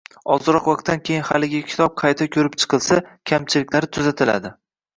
Ozroq vaqtdan keyin haligi kitob qayta ko‘rib chiqilsa, kamchiliklari tuzatiladi